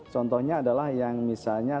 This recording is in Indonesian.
contohnya adalah yang misalnya